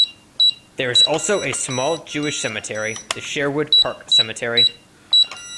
There is also a small Jewish cemetery, the Sherwood Park Cemetery.